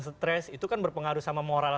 stress itu kan berpengaruh sama moral